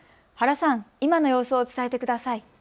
原さん、今の様子を伝えてください。